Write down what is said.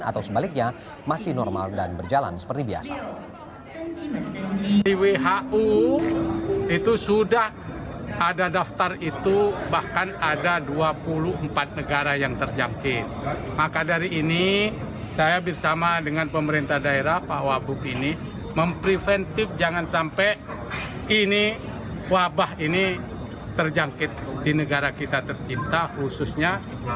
atau sebaliknya masih normal dan berjalan seperti biasa